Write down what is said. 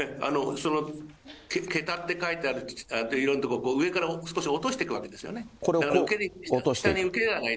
桁って書いてあるところを上から少し落としていくわけですよ